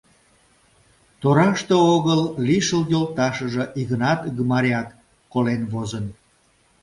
Тораште огыл лишыл йолташыже Игнат Гмарят колен возын.